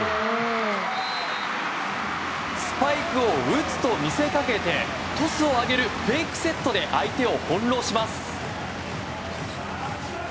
スパイクを打つと見せかけてトスを上げるフェイクセットで相手を翻弄します。